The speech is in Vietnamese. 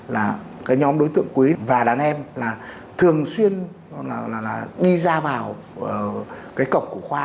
là cái nhóm đối tượng quý và đàn em là thường xuyên đi ra vào cái cổng của khoa